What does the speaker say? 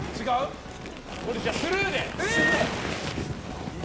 これ、スルーで！